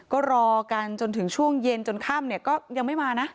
ก็รอกันจนถึงช่วงเย็นจนค่ำเนี่ยก็ยังไม่มานะ